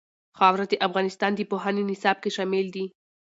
خاوره د افغانستان د پوهنې نصاب کې شامل دي.